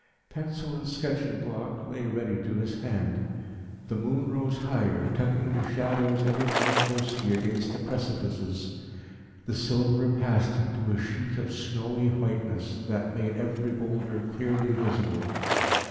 Pencil and sketching block lay ready to his hand. The moon rose higher, tucking the shadows ever more closely against the precipices. The silver passed into a sheet of snowy whiteness, that made every boulder clearly visible.